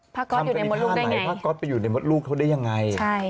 พระกอตอยู่ในหมดลูกใต้ไหน